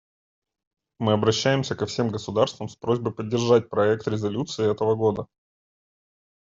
Мы обращаемся ко всем государствам с просьбой поддержать проект резолюции этого года.